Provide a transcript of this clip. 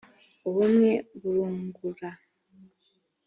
ubumwe burungura.